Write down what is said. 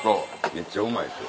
めっちゃうまいですよ。